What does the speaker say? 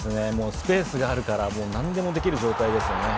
スペースがあるから何でもできる状態ですよね